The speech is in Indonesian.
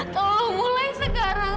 tolong mulai sekarang